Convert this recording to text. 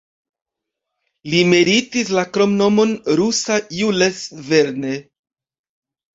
Li meritis la kromnomon "Rusa Jules Verne".